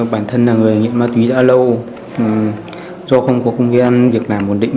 bản thân là người nghiện ma túy đã lâu do không có công viên việc làm bổn định